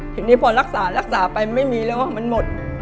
ทีนี้พอรักษารักษาไปไม่มีแล้วมันหมด